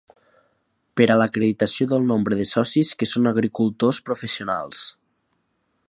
Per a l'acreditació del nombre de socis que són agricultors professionals.